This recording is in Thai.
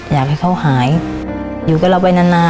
อยากให้เขาหายอยู่กับเราไปนาน